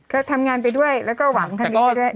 ก็ทำงานไปด้วยแล้วก็หวังคันดีไปด้วย